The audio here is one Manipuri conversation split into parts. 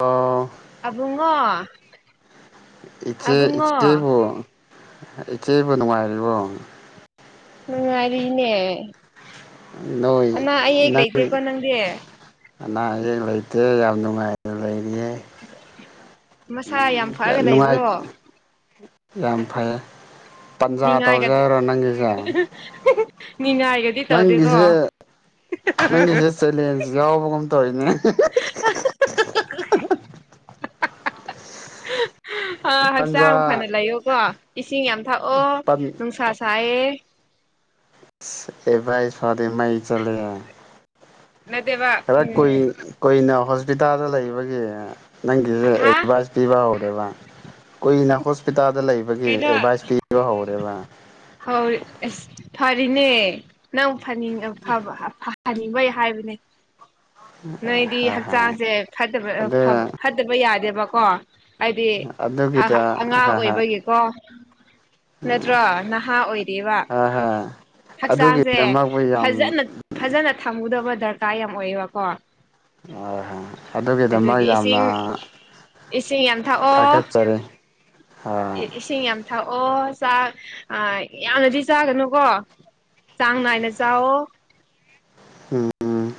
ꯑꯥ ꯑꯕꯨꯡꯉꯣ ꯏꯆꯦ ꯑꯕꯨꯡꯉꯣ ꯏꯆꯦꯕꯨ ꯏꯆꯦꯕꯨ ꯅꯨꯉꯥꯏꯔꯤꯕꯣ ꯅꯨꯉꯥꯏꯔꯤꯅꯦ ꯅꯣꯏ ꯑꯅꯥ ꯑꯌꯦꯛ ꯅꯪ ꯂꯩꯇꯦꯀꯣ ꯅꯪꯗꯤ ꯑꯅꯥ ꯑꯌꯦꯛ ꯂꯩꯇꯦ ꯌꯥꯝ ꯅꯨꯉꯥꯏꯕ ꯂꯩꯔꯤꯌꯦ ꯃꯁꯥ ꯌꯥꯝ ꯐꯑꯒ ꯅꯨꯡꯉꯥꯏ ꯂꯩꯕ꯭ꯔꯣ ꯌꯥꯝ ꯐꯩꯌꯦ ꯅꯤꯉꯥꯏꯒꯠ ꯅꯤꯉꯥꯏꯒꯗꯤ ꯇꯧꯗꯦꯒꯣ ꯅꯪꯒꯤꯁꯦ ꯅꯪꯒꯤꯁꯦ [unintelligible] ꯆꯦꯂꯦꯟꯖ ꯌꯥꯎꯕꯒꯨꯝ ꯇꯧꯔꯤꯅꯦ [unintelligible] ꯑꯥ ꯍꯛꯆꯥꯡ ꯄꯟꯖꯥ ꯐꯅ ꯂꯩꯌꯣꯀꯣ ꯏꯁꯤꯡ ꯌꯥꯝ ꯊꯛꯑꯣ ꯄꯟ ꯅꯨꯡꯁꯥ ꯁꯥꯏꯌꯦ ꯏꯁ ꯑꯦꯕꯥꯏ ꯐꯥꯎꯗꯤ ꯃꯩ ꯆꯠꯂꯤꯍꯦ ꯅꯠꯇꯦꯕ ꯈꯔ ꯀꯨꯏ ꯎꯝ ꯀꯨꯏꯅ ꯍꯣꯁꯄꯤꯇꯥꯜꯗ ꯂꯩꯕꯒꯤ ꯅꯪꯒꯤꯌꯦ ꯍꯥ ꯑꯦꯚꯥꯏꯁ ꯄꯤꯕ ꯍꯧꯔꯕ ꯀꯨꯏꯅ ꯍꯣꯁꯄꯤꯇꯥꯜꯗ ꯂꯩꯕꯒꯤ ꯀꯩꯅꯣ ꯑꯦꯚꯥꯏꯁ ꯄꯤ [unintelligible] ꯍꯧꯔꯦꯕ ꯍꯧꯔꯤ ꯑꯁ ꯐꯔꯤꯅꯦ ꯅꯪ ꯐꯅꯤꯡ ꯑꯐꯕ ꯑꯐꯥ ꯐꯅꯤꯡꯕꯩ ꯍꯥꯏꯕꯅꯦ ꯅꯣꯏꯗꯤ ꯍꯥ ꯍꯥ ꯍꯛꯆꯥꯡꯁꯦ ꯐꯠꯇꯕ ꯐꯕ ꯑꯗꯨ ꯐꯠ ꯇꯕ ꯌꯥꯗꯦꯕꯀꯣ ꯍꯥꯏꯗꯤ ꯑꯍꯥ ꯑꯗꯨꯒꯤꯗ ꯑꯉꯥꯡ ꯍꯥ ꯍꯥ ꯑꯣꯏꯕꯒꯤ ꯀꯣ ꯅꯠꯇ꯭ꯔꯣ ꯅꯥ ꯍꯥ ꯑꯣꯏꯔꯤꯕ ꯍꯥ ꯍꯥ ꯍꯛꯆꯥꯡꯁꯦ ꯑꯗꯨꯒꯤꯗꯃꯛꯄꯨ ꯌꯥꯝ ꯐꯖꯅ ꯐꯖꯅ ꯊꯝꯃꯨꯗꯕ ꯗꯔꯀꯥꯔ ꯌꯥꯝ ꯑꯣꯏꯌꯦꯕꯀꯣ ꯑꯣꯏ ꯍꯥ ꯑꯗꯨꯒꯤꯗꯃꯛ ꯑꯗꯨꯒꯤ ꯌꯥꯝꯅ ꯏꯁꯤꯡ ꯏꯁꯤꯡ ꯌꯥꯝ ꯊꯛꯑꯣ ꯊꯥꯒꯠꯆꯔꯤ ꯎꯝ ꯏꯁꯤꯡ ꯌꯥꯝ ꯊꯛꯑꯣ ꯆꯥꯛ ꯑꯥ ꯌꯥꯝꯅꯗꯤ ꯆꯥꯒꯅꯨꯀꯣ ꯆꯥꯡ ꯅꯥꯏꯅ ꯆꯥꯎꯑꯣ ꯎꯝ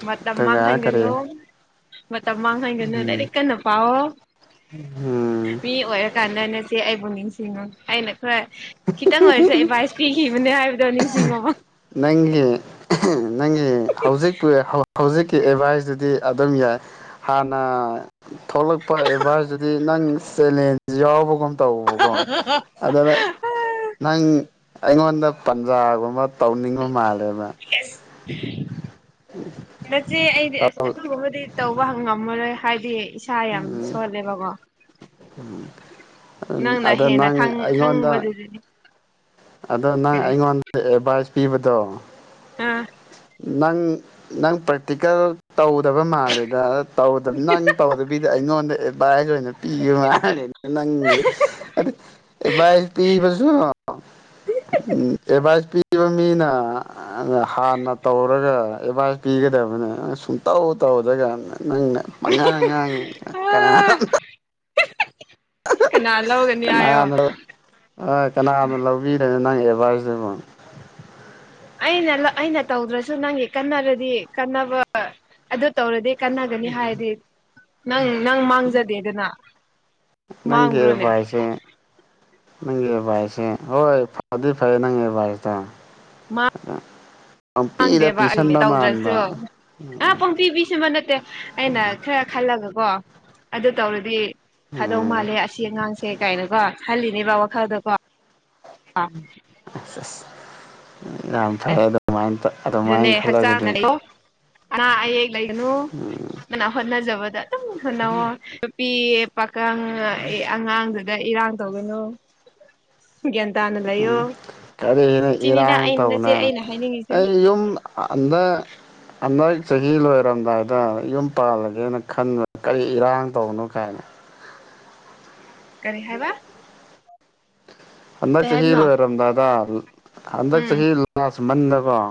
ꯃꯇꯝ ꯃꯥꯡꯍꯟꯒꯅꯨ ꯃꯇꯝ ꯃꯥꯡꯍꯟꯒꯅꯨ ꯎꯝ ꯂꯥꯏꯔꯤꯛ ꯀꯟꯅ ꯄꯥꯎꯑꯣ ꯎꯝ ꯃꯤ ꯑꯣꯏꯔꯀꯥꯟꯗ ꯅꯆꯦ ꯑꯩꯕꯨ ꯅꯤꯡꯁꯤꯡꯉꯨ ꯑꯩꯅ ꯈꯔ ꯈꯤꯇꯪ ꯑꯣꯏꯔꯁꯨ ꯑꯦꯚꯥꯏꯁ ꯄꯤꯈꯤꯕꯅꯦ ꯍꯥꯏꯕꯗꯣ ꯅꯤꯡꯁꯤꯡꯉꯣꯕ ꯅꯪꯒꯤ ꯅꯪꯒꯤ ꯍꯧꯖꯤꯛꯄꯨ ꯍꯧꯖꯤꯛꯀꯤ ꯑꯦꯚꯥꯏꯁꯇꯨꯗꯤ ꯑꯗꯨꯝ ꯌꯥꯏ ꯍꯥꯟꯅ ꯊꯣꯛꯂꯛꯄ ꯑꯦꯚꯥꯏꯁꯇꯨꯗꯤ ꯅꯪ ꯆꯦꯂꯦꯟꯖ ꯌꯥꯎꯕꯒꯨꯝ ꯇꯧꯕꯀꯣ ꯑꯗꯨꯅ ꯅꯪ ꯑꯩꯉꯣꯟꯗ ꯄꯟꯖꯥꯒꯨꯝꯕ ꯇꯧꯅꯤꯡꯕ ꯃꯥꯜꯂꯦꯕ [unintelligible] ꯅꯆꯦ ꯑꯩꯗꯤ ꯑꯁ ꯑꯗꯨꯒꯕꯗꯤ ꯇꯧꯕ ꯉꯝꯃꯔꯣꯏ ꯍꯥꯏꯗꯤ ꯏꯁꯥ ꯌꯥꯝ ꯁꯣꯜꯂꯦꯕꯒꯣ ꯎꯝ ꯅꯪꯅ ꯑꯗꯣ ꯍꯦꯟꯅ ꯅꯪ ꯈꯪ ꯑꯩꯉꯣꯟꯗ ꯈꯪꯕꯗꯨꯗꯤ ꯑꯗꯣ ꯅꯪ ꯀꯔꯤ ꯑꯩꯉꯣꯟꯗ ꯑꯦꯚꯥꯏꯁ ꯄꯤꯕꯗꯣ ꯑꯥ ꯅꯪ ꯅꯪ ꯄ꯭ꯔꯛꯇꯤꯀꯦꯜ ꯇꯧꯗꯕ ꯃꯥꯜꯂꯦꯗ ꯇꯧꯗꯕ ꯅꯪ ꯇꯧꯗꯕꯤꯗ ꯑꯩꯉꯣꯟꯗ ꯑꯦꯠꯚꯥꯏꯁ ꯑꯣꯏꯅ ꯄꯤꯈꯤꯕ ꯃꯥꯜꯂꯩ ꯅꯪꯒꯤꯗꯣ ꯑꯗꯣ ꯑꯦꯗꯚꯥꯏꯁ ꯄꯤꯕꯁꯣ ꯎꯝ ꯑꯦꯚꯥꯏꯁ ꯄꯤꯕ ꯃꯤꯅ ꯍꯥꯥꯟꯅ ꯇꯧꯔꯒ ꯑꯦꯗꯚꯥꯏꯁ ꯄꯤꯒꯗꯕꯅꯦ ꯁꯨꯡꯇꯧ ꯇꯧꯗ꯭ꯔꯒ ꯅꯪꯅ ꯄꯪꯉꯥꯡ ꯉꯥꯡꯉꯦ ꯑꯥ ꯀꯅꯥꯅꯣꯝꯇ ꯀꯅꯥ ꯂꯧꯒꯅꯤ ꯍꯥꯏꯌꯣ ꯀꯅꯥꯅ ꯍꯣꯏ ꯀꯅꯥꯅ ꯂꯧꯕꯤꯔꯅꯤ ꯅꯪ ꯑꯦꯗꯚꯥꯏꯁꯇꯨꯕꯣ ꯑꯩꯅ ꯑꯩꯅ ꯇꯧꯗ꯭ꯔꯁꯨ ꯅꯪꯒꯤ ꯀꯟꯅꯔꯗꯤ ꯀꯥꯟꯅꯅꯕ ꯑꯗꯨ ꯇꯧꯔꯗꯤ ꯀꯥꯟꯅꯒꯅꯤ ꯍꯥꯏꯔꯗꯤ ꯅꯪ ꯅꯪ ꯃꯥꯡꯖꯗꯦꯗꯅ ꯅꯪꯒꯤ ꯃꯥꯡꯕ꯭ꯔꯣꯅꯦ ꯑꯦꯗꯚꯥꯏꯁꯁꯦ ꯅꯪꯒꯤ ꯑꯦꯗꯚꯥꯏꯁꯁꯦ ꯍꯣꯏ ꯐꯗꯤ ꯐꯩ ꯅꯪ ꯑꯦꯗꯚꯥꯏꯁꯇꯣ [unintelligible] ꯄꯪꯄꯤꯗ ꯈꯪꯗꯦꯕ ꯄꯤꯁꯟꯕ ꯇꯧꯗ꯭ꯔꯁꯨ ꯃꯥꯟꯕ ꯑꯥ ꯄꯣꯡꯄꯤ ꯄꯤꯁꯤꯟꯕ ꯅꯠꯇꯦ ꯑꯩꯅ ꯈꯔ ꯈꯜꯂꯒꯀꯣ ꯑꯗꯨ ꯇꯧꯔꯗꯤ ꯐꯥꯗꯧ ꯎꯝ ꯃꯥꯜꯂꯦ ꯑꯁꯤ ꯑꯉꯥꯡꯁꯦ ꯀꯥꯏꯅꯀꯣ ꯈꯜꯂꯤꯅꯦꯕ ꯋꯥꯈꯜꯗꯀꯣ ꯑꯁ ꯑꯁ ꯌꯥꯝ ꯐꯥꯔꯗꯧ ꯃꯥꯟꯕ ꯑꯗꯨꯅꯦ ꯍꯛꯆꯥꯡꯅꯀꯣ ꯑꯅꯥ ꯑꯌꯦꯛ ꯂꯩꯒꯅꯨ ꯅꯪꯅ ꯍꯣꯠꯅꯖꯕꯗ ꯑꯗꯨꯝ ꯍꯣꯠꯅꯧꯑꯣ ꯄꯤꯌꯦ ꯄꯥꯀꯪ ꯑꯉꯥꯡꯗꯨꯗ ꯏꯔꯥꯡ ꯇꯧꯒꯅꯣ ꯒ꯭ꯌꯥꯟ ꯇꯥꯅ ꯎꯝ ꯀꯔꯤꯅ ꯁꯤꯅꯤꯗ ꯏꯔꯥꯡ ꯑꯩ ꯅꯆꯦ ꯇꯧꯅꯅ ꯑꯩꯅ ꯑꯩ ꯍꯥꯏꯅꯤꯡꯉꯤꯁꯦ ꯌꯨꯝ ꯑꯥꯗ ꯍꯟꯗꯛ ꯆꯍꯤ ꯂꯣꯏꯔꯝ ꯂꯣꯏꯔꯝꯗꯥꯏꯗ ꯌꯨꯝ ꯄꯥꯜꯂꯒꯦꯅ ꯈꯟꯕꯅꯤ ꯀꯔꯤ ꯏꯔꯥꯡ ꯇꯧꯅꯣ ꯀꯥꯏꯅ ꯀꯔꯤ ꯍꯥꯏꯕ ꯍꯟꯗꯛ ꯀꯩ ꯆꯍꯤ ꯍꯥꯏꯕꯅꯣ ꯂꯣꯏꯔꯝꯗꯥꯏꯗ ꯍꯟꯗꯛ ꯎꯝ ꯆꯍꯤ ꯂꯥꯁ‌ ꯃꯟꯗꯀꯣ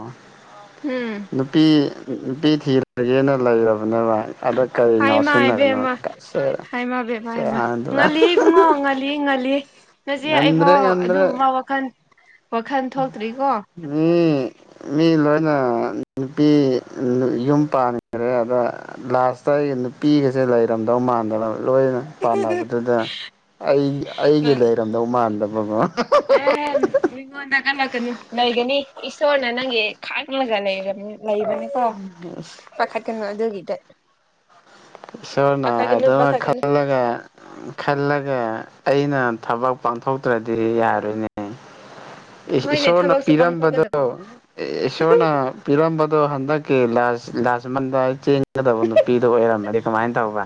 ꯎꯝ ꯅꯨꯄꯤ ꯅꯨꯄꯤ ꯊꯤꯔꯒꯦꯅ ꯂꯩꯔꯕꯅꯦꯕ ꯑꯗ ꯀꯔꯤ ꯍꯥꯏꯃ ꯉꯥꯎꯁꯤꯟꯅꯒꯅꯣ ꯏꯕꯦꯝꯃ ꯀꯥꯏ ꯁꯦ ꯍꯥꯏꯃ ꯕꯦꯝꯃ ꯍꯥꯏꯃ ꯁꯦꯔꯥꯟ ꯇꯨꯔꯥꯟ ꯉꯜꯂꯤ ꯏꯕꯨꯡꯉꯣ [unintelligible] ꯉꯜꯂꯤ ꯅꯆꯦ ꯑꯩꯐꯥꯎ ꯉꯝꯗ꯭ꯔꯦ ꯑꯗꯨꯒꯨꯝꯕ ꯋꯥꯈꯜ ꯋꯥꯈꯜ ꯊꯣꯛꯇ꯭ꯔꯤꯀꯣ ꯎꯝ ꯃꯤ ꯂꯣꯏꯅ ꯅꯨꯄꯤ ꯌꯨꯝ ꯄꯥꯟꯈ꯭ꯔꯦ ꯑꯗ ꯂꯥꯁꯇ ꯑꯩ ꯅꯨꯄꯤꯒꯁꯦ ꯂꯩꯔꯝꯗꯧ ꯃꯥꯟꯗ ꯂꯣꯏꯅ ꯄꯥꯟꯅꯕꯗꯨꯗ ꯑꯩ ꯑꯩꯒꯤ ꯂꯩꯔꯝꯗꯧ ꯃꯥꯟꯗꯕ ꯑꯦꯍꯝ ꯃꯤꯉꯣꯟꯗ ꯀꯠꯂꯛꯀꯅꯨ ꯂꯩꯒꯅꯤ ꯏꯁꯣꯔꯅ ꯅꯪꯒꯤ ꯈꯥꯛꯂꯒ ꯂꯩꯔꯕꯅꯦ ꯂꯩꯕꯅꯦ ꯀꯣ ꯄꯥꯈꯠꯀꯅꯨ ꯑꯗꯨꯒꯤꯗ ꯏꯁꯣꯔꯅ ꯄꯥꯈꯠꯀꯅꯨ ꯍꯥꯏꯕꯗꯨꯃ ꯄꯥꯈꯠꯀꯅꯨ ꯈꯜꯂꯒ ꯈꯜꯂꯒ ꯑꯩꯅ ꯊꯕꯛ ꯄꯥꯡꯊꯣꯛꯇ꯭ꯔꯗꯤ ꯌꯥꯔꯣꯏꯅꯦ ꯏ ꯍꯣꯏꯅꯦ ꯏꯁꯣꯔꯅ ꯊꯕꯛꯁꯨ ꯄꯤꯔꯝꯕꯗꯣ ꯄꯥꯡꯊꯣꯛꯀꯗꯕꯅꯤ ꯏꯁꯣꯔꯅ ꯄꯤꯔꯝꯕꯗꯣ ꯍꯟꯗꯛꯀꯤ ꯂꯥꯁ ꯂꯥꯁ ꯃꯟꯗ ꯆꯦꯟꯒꯗꯕ ꯅꯨꯄꯤꯗꯣ ꯑꯣꯏꯔꯝꯃꯗꯤ ꯀꯃꯥꯏꯅ ꯇꯧꯕ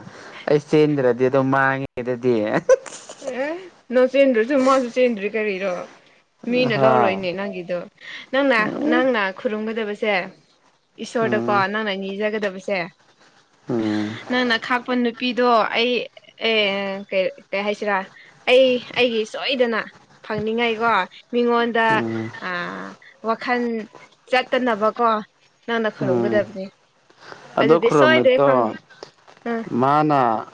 ꯑꯩ ꯆꯦꯟꯗ꯭ꯔꯗꯤ ꯑꯗꯨꯝ ꯃꯥꯡꯉꯦ ꯑꯗꯨꯗꯤ ꯑꯦ ꯅꯪ ꯆꯦꯟꯗ꯭ꯔꯁꯨ ꯃꯥꯁꯨ ꯆꯦꯟꯗ꯭ꯔꯦ ꯀꯔꯤꯔꯣ ꯃꯤꯅ ꯍꯥ ꯂꯧꯔꯣꯏꯅꯦ ꯅꯪꯒꯤꯗꯣ ꯅꯪꯅ ꯅꯪꯅ ꯈꯨꯔꯨꯝꯒꯗꯕꯁꯦ ꯏꯁꯣꯔꯗꯀꯣ ꯎꯝ ꯅꯪꯅ ꯅꯤꯖꯒꯗꯕꯁꯦ ꯎꯝ ꯅꯪꯅ ꯈꯥꯛꯄ ꯅꯨꯄꯤꯗꯣ ꯑꯩ ꯑꯦ ꯀꯩ ꯀꯩ ꯍꯥꯏꯁꯤꯔꯥ ꯑꯩ ꯑꯩꯒꯤ ꯁꯣꯏꯗꯅ ꯐꯪꯅꯤꯡꯉꯥꯏꯀꯣ ꯃꯤꯉꯣꯟꯗ ꯎꯝ ꯑ ꯋꯥꯈꯜ ꯆꯠꯇꯅꯕꯀꯣ ꯅꯪꯟꯅ ꯎꯝ ꯈꯔꯨꯝꯒꯗꯕꯅꯤ ꯑꯗꯣ ꯑꯗꯨꯗꯤ ꯁꯣꯏꯗꯦ ꯈꯨꯔꯨꯝꯃꯤꯗꯣ ꯐꯪꯉꯦ ꯎꯝ ꯃꯥꯅ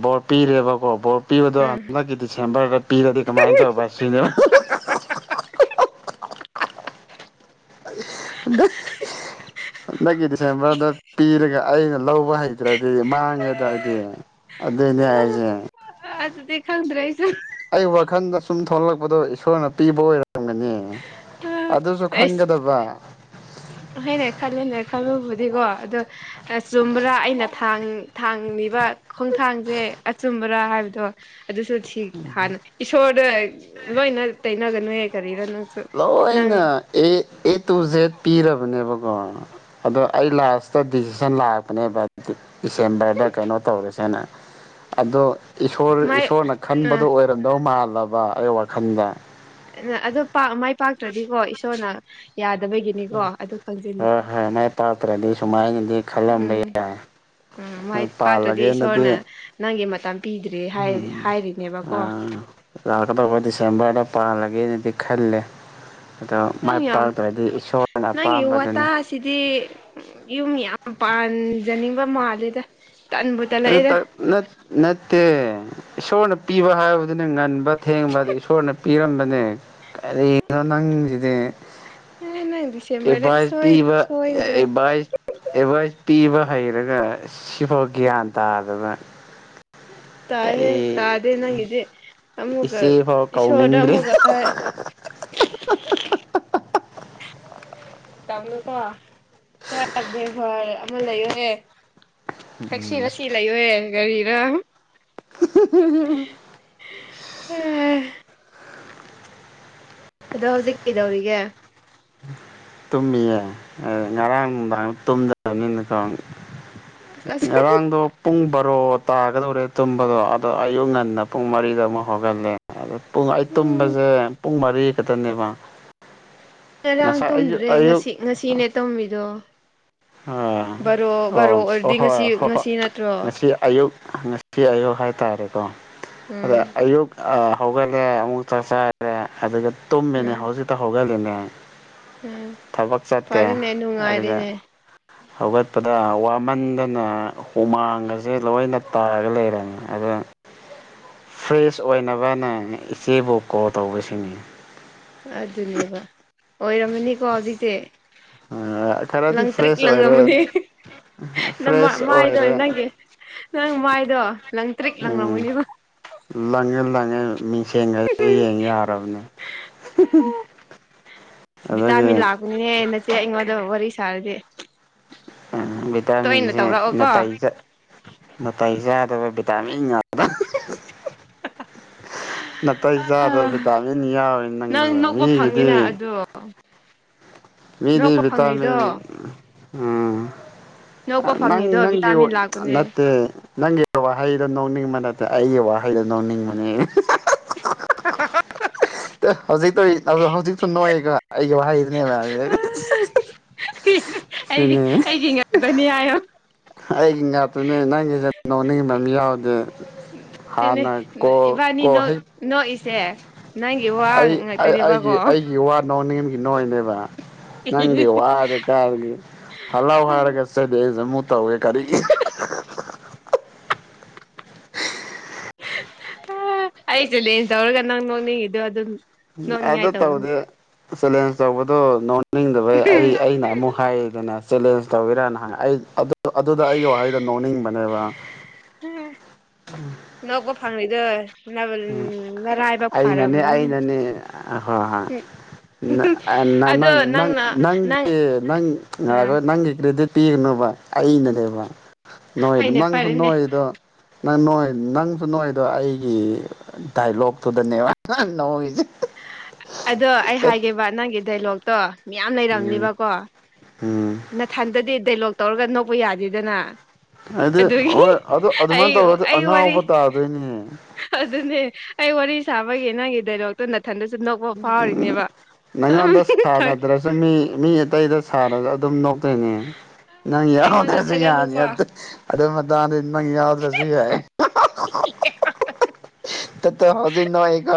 ꯕꯣꯔ ꯑ ꯄꯤꯔꯦꯕꯀꯣ ꯕꯣꯔ ꯄꯤꯕꯗꯣ ꯎꯝ ꯍꯟꯗꯛꯀꯤ ꯗꯤꯁꯦꯝꯕꯔꯒ ꯄꯤꯔꯗꯤ ꯀꯃꯥꯏꯅ ꯇꯧꯕ ꯁꯤꯅꯦꯕ ꯍꯟꯗꯛ ꯍꯟꯗꯛꯀꯤ ꯗꯤꯁꯦꯝꯕꯔꯗ ꯄꯤꯔꯒ ꯑꯩꯅ ꯂꯧꯕ ꯍꯩ ꯑꯗꯨ꯭ꯔꯗꯤ ꯃꯥꯡꯉꯦꯗ ꯑꯩꯗꯤ ꯑꯗꯨꯏꯅꯦ ꯍꯥꯏꯁꯦ ꯑ ꯑꯗꯨꯗꯤ ꯈꯪꯗ꯭ꯔꯦ ꯑꯩꯁꯨ ꯑꯩ ꯋꯥꯈꯟꯗ ꯁꯨꯝ ꯊꯣꯛꯂꯛꯄꯗꯣ ꯏꯁꯣꯔꯅ ꯄꯤꯕ ꯑꯣꯏꯔꯝꯒꯅꯤ ꯑꯗꯨꯁꯨ ꯈꯪꯒꯗꯕ ꯍꯣꯏꯅꯦ ꯈꯜꯂꯦꯅꯦ ꯈꯜꯂꯨꯕꯨꯗꯤꯀꯣ ꯑꯗꯣ ꯑ ꯆꯨꯝꯕ꯭ꯔꯥ ꯑꯩꯅ ꯊꯥꯛ ꯊꯥꯡꯂꯤꯕ ꯈꯣꯡꯊꯥꯡꯁꯦ ꯑꯆꯨꯝꯕꯔꯥ ꯍꯥꯏꯕꯗꯣ ꯑꯗꯨꯁꯨ ꯊꯤ ꯍꯥꯟꯅ ꯏꯁꯣꯔꯗ ꯂꯣꯏꯅ ꯇꯩꯅꯒꯅꯨꯌꯦ ꯀꯔꯤꯔꯅꯣ ꯂꯣꯏꯅ ꯑꯦ ꯑꯦ ꯇꯨ ꯖꯦꯠ ꯄꯤꯔꯕꯅꯦꯀꯣ ꯑꯗꯣ ꯑꯩ ꯂꯥꯁꯇ ꯗꯤꯁꯤꯖꯟ ꯂꯥꯛꯄꯅꯦꯕ ꯗꯤꯁꯦꯝꯕꯔꯗ ꯀꯩꯅꯣ ꯇꯧꯔꯁꯦꯅ ꯑꯗꯣ ꯏꯁꯣꯔ ꯃꯥꯏ ꯏꯁꯣꯔꯅ ꯑꯥ ꯈꯟꯕꯗꯣ ꯑꯣꯏꯔꯝꯗꯧ ꯃꯥꯜꯂꯕ ꯑꯩ ꯋꯥꯈꯜꯗ ꯑꯗꯣꯥꯛ ꯃꯥꯏ ꯄꯥꯛꯇ꯭ꯔꯗꯤꯀꯣ ꯏꯁꯣꯔꯅ ꯌꯥꯗꯕꯒꯤꯅꯤꯀꯣ ꯑꯗꯨ ꯈꯪꯁꯤꯜꯂꯨ ꯍꯣꯏ ꯍꯣꯏ ꯃꯥꯏ ꯄꯥꯛꯇ꯭ꯔꯗꯤ ꯁꯨꯃꯥꯏꯅꯗꯤ ꯈꯜꯂꯝꯕ ꯎꯝ ꯌꯥꯏ ꯎꯝ ꯃꯥꯏ ꯄꯥꯛꯇ꯭ꯔꯗꯤ ꯄꯥꯜꯂꯒꯦꯅꯗꯤ ꯏꯁꯣꯔꯅ ꯅꯪꯒꯤ ꯃꯇꯝ ꯄꯤꯗ꯭ꯔꯦ ꯍꯥꯏꯔꯤ ꯍꯥꯏꯔꯤꯅꯦꯕꯀꯣ ꯂꯥꯛꯀꯗꯕꯧꯕ ꯗꯤꯁꯦꯝꯕꯔꯗ ꯄꯥꯜꯂꯒꯦꯅꯗꯤ ꯈꯜꯂꯦ ꯑꯗꯣ ꯑꯁ ꯃꯥꯏ ꯅꯪ ꯌꯥꯝ ꯄꯥꯛꯇ꯭ꯔꯗꯤ ꯏꯁꯣꯔꯅ ꯑꯄꯥꯝꯕꯗꯨꯅꯤ ꯁꯤꯗꯤ ꯌꯨꯝ ꯌꯥꯝ ꯄꯥꯟꯖꯅꯤꯡꯕ ꯃꯥꯜꯂꯦꯗ ꯇꯟꯕꯨ ꯑꯗꯨ ꯇꯜꯂꯛꯑꯦꯗ ꯇꯠ ꯅꯠ ꯅꯠꯇꯦ ꯏꯁꯣꯔꯅ ꯄꯤꯕ ꯍꯥꯏꯕꯗꯨꯅꯦ ꯉꯟꯕ ꯊꯦꯡꯕꯗ ꯏꯁꯣꯔꯅ ꯄꯤꯔꯝꯕꯅꯦ ꯀꯔꯤꯗꯣ ꯅꯪꯁꯤꯗꯤ ꯎ ꯅꯪ ꯗꯤꯁꯦꯝꯕꯔꯗ ꯑꯦꯕꯥꯁ ꯁꯣꯏ ꯄꯤꯕ ꯁꯣꯏꯒꯗ꯭ꯔꯥ ꯑꯦꯕꯥꯁ ꯑꯦꯗꯚꯥꯏꯁ ꯄꯤꯕ ꯍꯩꯔꯒ ꯁꯤꯐꯥꯎ ꯒ꯭ꯌꯥꯟ ꯇꯥꯗꯕ ꯇꯥꯏꯍꯦ ꯀꯔꯤ ꯇꯥꯗꯦ ꯅꯪꯒꯤꯗꯤ ꯑꯃꯨꯛꯀ ꯏꯆꯦꯐꯥꯎ ꯏꯁꯣꯔꯗ ꯀꯧꯅꯤꯡꯗ꯭ꯔꯦ ꯑꯃꯨꯛꯀ ꯍꯥꯏ ꯇꯧꯅꯨꯀꯣ ꯈꯔ ꯕꯦꯚꯔ ꯑꯃ ꯂꯩꯌꯣꯍꯦ ꯊꯛꯁꯤ ꯉꯁꯤ ꯂꯩꯌꯣꯍꯦ ꯀꯔꯤꯔꯥ [unintelligible] ꯑꯦ ꯑꯗꯣ ꯍꯧꯖꯤꯛ ꯀꯩꯗꯧꯔꯤꯒꯦ ꯇꯨꯝꯃꯤꯌꯦ ꯉꯔꯥꯡ ꯅꯨꯡꯗꯥꯡ ꯇꯨꯝꯗꯕꯅꯤꯅ ꯀꯣ ꯑꯔꯥꯡꯗ ꯄꯨꯡ ꯕꯥꯔꯣ ꯔꯣ ꯇꯥꯒꯗꯧꯔꯦ ꯇꯨꯝꯕꯗꯣ ꯑꯗꯣ ꯑꯌꯨꯛ ꯉꯟꯅ ꯄꯨꯡ ꯃꯔꯤꯗ ꯑꯃꯨꯛ ꯍꯧꯒꯜꯂꯦ ꯑꯗꯨ ꯄꯨꯡ ꯑꯩ ꯎꯝ ꯇꯨꯝꯕꯁꯦ ꯄꯨꯡ ꯃꯔꯤ ꯈꯛꯇꯅꯦꯕ ꯉꯔꯥꯡ ꯉꯁꯥꯏ ꯑꯌꯨꯛ ꯇꯨꯝꯗ꯭ꯔꯦ ꯑꯌꯨꯛ ꯉꯁꯤ ꯉꯁꯤꯅꯦ ꯇꯨꯝꯃꯤꯗꯣ ꯑꯥ ꯕꯥꯔꯣ ꯕꯥꯔꯣ ꯑꯣ ꯑꯣꯏꯔꯗꯤ ꯉꯁꯤ ꯑꯍꯣꯏ ꯍꯣꯏ ꯍꯣꯏ ꯉꯁꯤ ꯅꯠꯇ꯭ꯔꯣ ꯉꯁꯤ ꯑꯌꯨꯛ ꯉꯁꯤ ꯑꯌꯨꯛ ꯍꯥꯏꯇꯥꯔꯦꯀꯣ ꯑꯗ ꯎꯝ ꯑꯌꯨꯛ ꯑ ꯍꯧꯒꯠꯂꯦ ꯑꯃꯨꯛ ꯆꯥꯛ ꯆꯔꯦ ꯑꯗꯨꯒ ꯇꯨꯝꯃꯤꯅꯦ ꯎꯝ ꯍꯧꯖꯤꯛꯇ ꯍꯧꯒꯠꯂꯤꯅꯦ ꯎꯝ ꯊꯕꯛ ꯆꯠꯇꯦ ꯐꯔꯦꯅꯦ ꯑꯗꯨꯒ ꯅꯨꯡꯉꯥꯏꯔꯦꯅꯦ ꯍꯧꯒꯠꯄꯗ ꯋꯥꯃꯟꯕꯅ ꯍꯨꯃꯥꯡꯒꯁꯦ ꯂꯣꯏꯅ ꯇꯥꯔꯒ ꯂꯩꯔꯝꯃꯦ ꯑꯗꯨ ꯐ꯭ꯔꯦꯁ ꯑꯣꯏꯅꯕꯅ ꯏꯆꯦꯕꯨ ꯀꯣꯜ ꯇꯧꯕꯁꯤꯅꯤ꯫ ꯑꯗꯨꯅꯦꯕ ꯑꯣꯏꯔꯝꯃꯅꯤꯀꯣ ꯍꯧꯖꯤꯛꯇꯤ꯫ ꯈꯔꯗꯤ ꯂꯪꯇ꯭ꯔꯛ ꯐ꯭ꯔꯦꯁ ꯑꯣꯏꯔꯦ ꯂꯪꯉꯃꯅꯤ ꯅꯃꯥ ꯐ꯭ꯔꯦꯁ ꯃꯥꯏꯗꯣ ꯑꯣꯏꯔꯦ ꯅꯪꯒꯤ ꯅꯪ ꯃꯥꯏꯗꯣ ꯂꯪꯇ꯭ꯔꯤꯛ ꯂꯪ ꯎꯝ ꯂꯪꯉꯝꯃꯅꯤꯕ꯫ ꯂꯪꯉꯦ ꯂꯪꯉꯦ ꯃꯤꯡꯁꯦꯟꯒ ꯌꯦꯡ ꯌꯥꯔꯕꯅꯦ꯫ ꯑꯗꯒꯤ ꯕꯤꯇꯥꯃꯤ ꯂꯥꯛꯄꯅꯤꯍꯦ ꯅꯆꯦ ꯑꯩꯉꯣꯟꯗ ꯋꯥꯔꯤ ꯁꯥꯔꯗꯤ꯫ ꯎꯝ ꯇꯣꯏꯅ ꯚꯤꯇꯥꯃꯤꯟꯖꯦ ꯇꯧꯔꯛꯑꯣꯀꯣ ꯅꯥꯇꯩ ꯆꯥ ꯅꯥꯇꯩ ꯆꯥꯗꯕ ꯚꯤꯇꯥꯃꯤꯟ ꯅꯥꯇꯩ ꯆꯥꯗꯕ ꯚꯤꯇꯥꯃꯤꯟ ꯌꯥꯎꯋꯦ ꯅꯪꯒꯤꯁꯦ ꯃꯤꯒꯤꯗꯤ ꯑꯥ ꯃꯤꯗꯤ ꯚꯤꯇꯃꯤꯟ ꯎꯝ ꯅꯣꯛꯄ ꯑꯥ ꯅꯪ ꯐꯪꯉꯤꯗꯣ ꯅꯪꯒꯤ ꯚꯤꯇꯥꯃꯤꯟ ꯂꯥꯛꯄꯅꯦ ꯅꯠꯇꯦ ꯅꯪꯒꯤ ꯋꯥꯍꯩꯗꯣ ꯅꯣꯛꯅꯤꯡꯕ ꯅꯠꯇꯦ ꯑꯩꯒꯤ ꯋꯥꯍꯩꯗꯣ ꯅꯣꯛꯅꯤꯡꯕꯅꯦ꯫ [unintelligible] ꯑꯦ ꯍꯧꯖꯤꯛ ꯇꯧꯋ ꯍꯧꯖꯤꯛꯁꯨ ꯅꯣꯏꯌꯦ ꯈꯔ ꯑꯩꯒꯤ ꯋꯥꯍꯩꯗꯨꯅꯦꯕ ꯑꯩꯗꯤ ꯁꯤꯅꯤ ꯑꯩꯒꯤ ꯉꯥꯛꯗꯅꯤ ꯍꯥꯏꯌꯣ꯫ ꯑꯩꯒꯤ ꯉꯥꯇꯅꯦ ꯅꯪꯒꯤꯖꯦ [unintelligible] ꯇꯦꯅꯦ ꯏꯕꯥꯅꯤ ꯅꯣꯛꯏꯁꯦ ꯅꯪꯒꯤ ꯋꯥ ꯑꯩ ꯉꯥꯛꯇꯅꯦꯕꯀꯣ ꯑꯩꯒꯤ ꯑꯩꯒꯤ ꯋꯥ ꯅꯣ ꯅꯦꯝꯒꯤ ꯅꯣꯏꯅꯦꯕ ꯅꯪꯒꯤ ꯋꯥꯔ ꯀꯥꯔꯒꯤ ꯍꯜꯂꯥꯎ ꯍꯥꯏꯔꯒ ꯆꯦꯗꯦꯁ ꯑꯃꯨꯛ ꯇꯧꯒꯦ ꯀꯔꯤꯒꯤ ꯑꯩ ꯆꯦꯂꯦꯟꯖ ꯇꯧꯔꯒ ꯅꯪ ꯅꯣꯛꯅꯤꯡꯉꯤꯗꯣ ꯑꯗꯨꯝ ꯑꯗ ꯅꯣꯛꯅꯤꯡꯉꯥꯏ ꯇꯧꯕꯅꯤ ꯇꯧꯗꯦ ꯆꯦꯂꯦꯟꯖ ꯇꯧꯕꯗꯣ ꯅꯣ ꯅꯤꯡꯗꯕꯩ ꯑꯩ ꯑꯩꯅ ꯑꯃꯨꯛ ꯍꯥꯏꯗꯅ ꯆꯦꯂꯦꯟꯖ ꯇꯧꯒꯤꯔꯅꯪꯉ ꯑꯩ ꯑꯗꯣ ꯑꯗꯨꯗ ꯑꯩꯒꯤ ꯋꯥꯍꯩꯗ ꯅꯣꯛꯅꯤꯡꯕꯅꯦꯕ꯫ ꯅꯣꯛꯄ ꯐꯪꯂꯤꯗꯣ ꯎ ꯅꯔꯥꯏꯕꯛ ꯑꯩꯅꯅꯦ ꯐꯔꯕꯅꯤ ꯑꯩꯅꯅꯦ ꯍꯣꯏ ꯍꯣꯏ ꯑꯥ ꯅꯪ ꯑꯗꯣ ꯅꯪ ꯅꯪꯅ ꯅꯪ ꯅꯪꯒꯤ ꯅꯪ ꯅꯪ ꯑ ꯅꯪꯒꯤ ꯀ꯭ꯔꯦꯗꯤꯠ ꯄꯤꯒꯅꯨꯕ ꯑꯩꯅꯅꯦꯕ ꯅꯣꯏꯗ ꯍꯣꯏꯅꯦ ꯅꯪꯁꯨ ꯐꯔꯦꯅꯦ ꯅꯣꯏꯗꯣ ꯅꯪ ꯅꯣꯏ ꯅꯪꯁꯨ ꯅꯣꯏꯗꯣ ꯑꯩꯒꯤ ꯗꯥꯏꯂꯣꯒ ꯇꯨꯗꯅꯦ ꯅꯣꯛꯏꯖꯦ ꯫ ꯑꯗꯣ ꯑꯩ ꯍꯥꯏꯒꯦꯕ ꯅꯪꯒꯤ ꯗꯥꯏꯂꯣꯛꯇꯣ ꯃꯌꯥꯝ ꯎꯝ ꯂꯩꯔꯝꯅꯦꯕꯀꯣ ꯎꯝ ꯅꯊꯟꯇꯗꯤ ꯗꯥꯏꯂꯣꯛ ꯇꯧꯔꯒ ꯅꯣꯛꯄ ꯌꯥꯗꯦꯗꯅ꯫ ꯍꯥꯏꯗꯤ ꯑꯗꯨꯒꯤ ꯍꯣꯏ ꯑꯗꯨ ꯑꯩ ꯑꯗꯨꯃꯥꯏꯅ ꯇꯧꯔꯗꯤ ꯑꯩ ꯋꯥꯔꯤ ꯑꯉꯥꯎꯕ ꯇꯥꯗꯣꯏꯅꯦ꯫ ꯑꯗꯨꯅꯦ ꯑꯩ ꯋꯥꯔꯤ ꯁꯥꯕꯒꯤ ꯅꯪꯒꯤ ꯗꯥꯏꯂꯣꯛ ꯅꯥꯊꯟꯗꯁꯨ ꯅꯣꯛꯄ ꯐꯥꯎꯔꯤꯅꯦꯕ ꯆꯪꯃꯤ ꯃꯤ ꯑꯇꯩꯗ ꯁꯥꯔꯒ ꯑꯗꯨꯝꯅꯣꯛ [unintelligible] ꯑꯩꯉꯣꯟꯗ ꯊꯥꯒꯠꯂꯨꯀꯣ ꯑꯗꯨ ꯃꯇꯥꯡꯗꯗꯤ ꯅꯪ ꯌꯥꯎꯗ꯭ꯔꯁꯨ ꯌꯥꯏ꯫ ꯇꯠꯇ ꯍꯧꯖꯤꯛ ꯅꯣꯏꯀꯣ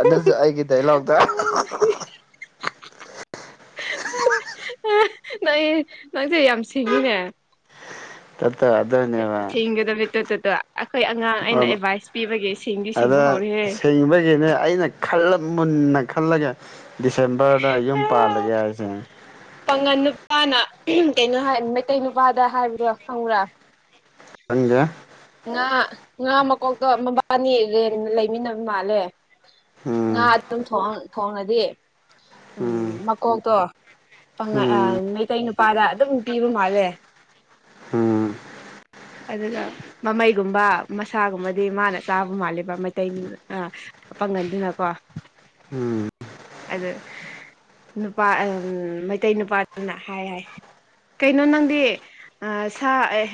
ꯑꯗꯨꯁꯨ ꯑꯩꯒꯤ ꯗꯥꯏꯂꯣꯛꯇ [unintelligible] ꯅꯪ ꯅꯪꯁꯦ ꯌꯥꯝ ꯁꯤꯡꯉꯤꯅꯦ꯫ ꯇꯠꯇ ꯑꯗꯨꯅꯦꯕ ꯁꯤꯡꯒꯗꯃꯤꯠꯇꯣꯠꯇꯗꯣ ꯑꯩꯈꯣꯏ ꯑꯉꯥꯡ ꯑꯩꯅ ꯑꯦꯗꯚꯥꯏꯁ ꯄꯤꯕꯒꯤ ꯁꯤꯡꯒꯤ ꯑꯗ ꯁꯤꯡꯕꯒꯤꯅꯦ ꯑꯩꯅ ꯈꯟꯂꯣ ꯃꯨꯟꯅ ꯈꯜꯂꯒꯦ ꯗꯤꯁꯦꯝꯕꯔꯗ ꯌꯨꯝ ꯄꯥꯜꯂꯒꯦ ꯍꯥꯏꯁꯦ ꯄꯥꯉꯟ ꯅꯨꯄꯥꯅ ꯀꯩꯅꯣ ꯍꯥꯏ ꯃꯩꯇꯩ ꯅꯨꯄꯥꯗ ꯍꯥꯏꯕꯗꯣ ꯈꯪꯕ꯭ꯔꯥ ꯈꯪꯗꯦ ꯉꯥ ꯉꯥ ꯃꯀꯣꯛꯇꯣ ꯃꯕꯥꯅꯤ ꯔꯦꯟ ꯂꯩꯃꯤꯟꯅꯕ ꯃꯥꯜꯂꯦ ꯎꯝ ꯉꯥ ꯑꯗꯨꯝ ꯊꯣꯡꯅꯗꯤ ꯎꯝ ꯀꯣꯛꯇꯣ ꯎꯝ ꯃꯩꯇꯩ ꯅꯨꯄꯥꯗ ꯑꯗꯨꯝ ꯄꯤꯕ ꯃꯥꯜꯂꯦ ꯎꯝ ꯑꯗꯨꯒ ꯃꯃꯩꯒꯨꯝꯕ ꯃꯁꯥꯒꯨꯝꯕꯗꯤ ꯃꯥꯅ ꯆꯥꯕ ꯃꯥꯜꯂꯤꯕ ꯃꯩꯇꯩ ꯑ ꯑ ꯄꯪꯒꯟꯗꯨꯅꯀꯣ ꯎꯝ ꯎꯝ ꯑꯗꯨ ꯅꯨꯄꯥ ꯎꯝ ꯃꯩꯇꯩ ꯅꯨꯄꯥꯗꯨꯅ ꯍꯥꯏ ꯍꯥꯏ ꯀꯩꯅꯣ ꯅꯪꯗꯤ ꯁꯥ ꯑꯦ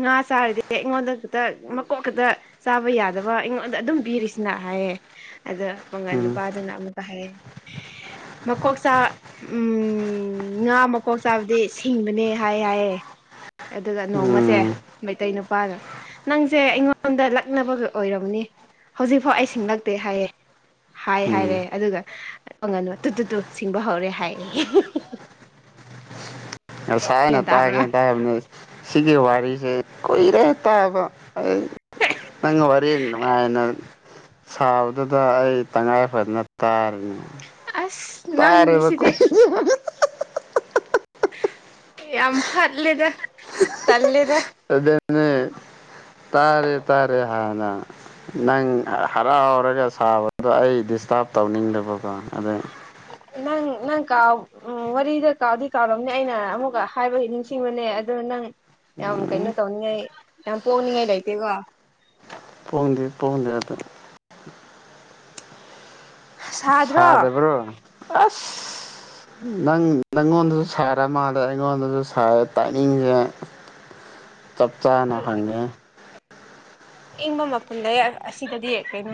ꯉꯥ ꯆꯥꯔꯤꯗꯤ ꯑꯩꯉꯣꯟꯗ ꯈꯥꯛꯇ ꯃꯀꯣꯛ ꯈꯛꯇ ꯆꯥꯕ ꯌꯥꯗꯕ ꯑꯩꯉꯣꯟꯗ ꯑꯗꯨꯝ ꯄꯤꯔꯤꯁꯤꯅ ꯍꯥꯏꯌꯦ ꯑꯗ ꯃꯉꯜ ꯎꯝ ꯅꯨꯄꯥꯗꯨꯅ ꯑꯃꯨꯛꯀ ꯍꯥꯏ ꯃꯀꯣꯛ ꯆꯥ ꯎꯝ ꯉꯥ ꯃꯀꯣꯛ ꯆꯥꯕꯗꯤ ꯁꯤꯡꯕꯅꯦ ꯍꯥꯏ ꯍꯥꯏꯌꯦ ꯑꯗꯨꯒ ꯅꯣꯡꯃꯁꯦ ꯎꯝ ꯃꯩꯇꯩ ꯅꯨꯄꯥꯒ ꯅꯪꯁꯦ ꯑꯩꯉꯣꯟꯗ ꯂꯛꯅꯕꯒ ꯑꯣꯏꯔꯝꯅꯤ ꯍꯧꯖꯤꯛꯐꯥꯎ ꯑꯩ ꯁꯤꯡꯂꯛꯇꯦ ꯍꯥꯏꯌꯦ ꯍꯥꯏ ꯎꯝ ꯍꯥꯏꯔꯦ ꯑꯗꯨꯒꯪ ꯉꯅꯨ ꯇꯨ ꯇꯨ ꯇꯨ ꯁꯤꯡꯕ ꯍꯧꯔꯦ ꯍꯥꯏꯌꯦ ꯉꯁꯥꯏ ꯑꯩꯅ ꯒ꯭ꯌꯥꯟ ꯇꯥꯕ꯭ꯔꯥ ꯇꯥꯒꯦꯅ ꯇꯥꯕꯅꯦ ꯁꯤꯒꯤ ꯋꯥꯔꯤꯁꯦ ꯀꯨꯏꯔꯦ ꯇꯥꯕ ꯑꯩ ꯅꯡꯅꯥ ꯋꯥꯔꯤ ꯅꯨꯡꯉꯥꯏꯅ ꯁꯥꯕꯗꯨꯗ ꯑꯩ ꯇꯉꯥꯏ ꯐꯗꯅ ꯇꯥꯔꯤꯅꯦ ꯑꯁ ꯅꯪꯒꯤꯁꯤꯗꯤ ꯌꯥꯝ ꯍꯠꯂꯦꯗ ꯇꯜꯂꯦꯗ [unintelligible] ꯇꯥꯔꯦ ꯇꯥꯔꯦ ꯍꯥꯟꯅ ꯅꯪ ꯍꯔꯥꯎꯔꯒ ꯁꯥꯕꯗꯣ ꯑꯩ ꯗꯤꯁꯇꯥꯔꯕ ꯇꯧꯅꯤꯡꯗꯕꯀꯣ ꯑꯗꯨꯏ ꯅꯪ ꯅꯪ ꯀꯥꯎ ꯑꯣ ꯋꯥꯔꯤꯗꯣ ꯀꯥꯎꯗꯤ ꯀꯥꯎꯔꯝꯅꯤ ꯑꯩꯅ ꯑꯃꯨꯛꯀ ꯍꯥꯏꯕꯒꯤ ꯅꯤꯡꯁꯤꯡꯕꯅꯦ ꯑꯗꯨ ꯅꯪ ꯌꯥꯝ ꯀꯩꯅꯣ ꯇꯧꯅꯤꯡꯉꯥꯏ ꯌꯥꯝ ꯄꯣꯛꯅꯤꯡꯉꯥꯏ ꯂꯩꯇꯦꯀꯣ ꯄꯣꯡꯗꯦ ꯄꯣꯡꯗꯦ ꯑꯗꯨ ꯁꯥꯗ꯭ꯔꯣ ꯁꯥꯗꯕ꯭ꯔꯣ ꯑꯁ ꯅꯪ ꯅꯪꯉꯣꯟꯗꯁꯨ ꯁꯥꯔ ꯃꯥꯜꯂꯦ ꯑꯩꯉꯣꯟꯗꯁꯨ ꯁꯥꯏ ꯇꯥꯏꯃꯤꯡꯁꯦ ꯆꯞ ꯆꯥꯅ ꯍꯪꯉꯦ ꯏꯪꯕ ꯃꯐꯝꯗꯥ ꯑꯁꯤꯗꯗꯤ ꯀꯩꯅꯣ